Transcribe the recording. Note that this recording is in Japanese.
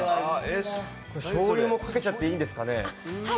これ、しょうゆもかけちゃっていいんですかね？